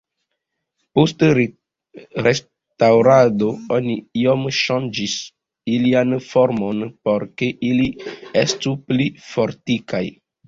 Post restaŭrado oni iom ŝanĝis ilian formon por ke ili estu pli fortikaj.